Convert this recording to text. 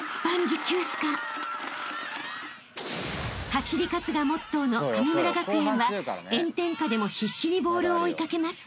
［走り勝つがモットーの神村学園は炎天下でも必死にボールを追い掛けます］